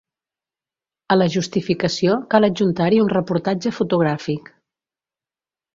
a la justificació cal adjuntar-hi un reportatge fotogràfic